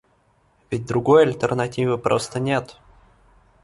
Ведь другой альтернативы просто нет.